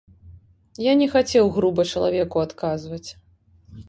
Я не хацеў груба чалавеку адказваць.